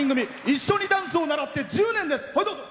一緒にダンスを習って１０年です。